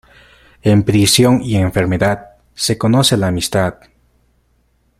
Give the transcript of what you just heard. En prisión y enfermedad, se conoce la amistad.